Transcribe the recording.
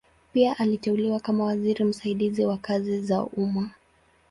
Pia aliteuliwa kama waziri msaidizi wa kazi za umma.